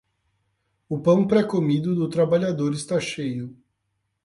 O pão pré-comido do trabalhador está cheio.